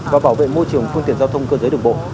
và bảo vệ môi trường phương tiện giao thông cơ giới đường bộ